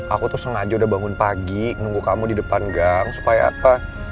aku tuh sengaja udah bangun pagi nunggu kamu di depan gang supaya apa